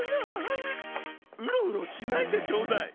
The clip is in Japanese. ウロウロしないでちょうだい。